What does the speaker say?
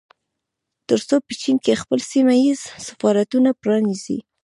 ترڅو په چين کې خپل سيمه ييز سفارتونه پرانيزي